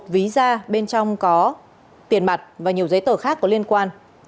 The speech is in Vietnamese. một ví da bên trong có tiền mặt và nhiều giấy tờ khác có liên quan